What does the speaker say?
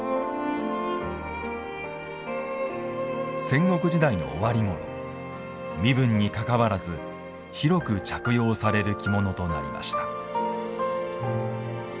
戦国時代の終わりごろ身分に関わらず広く着用される着物となりました。